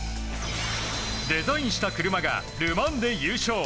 デザインした車がル・マンで優勝。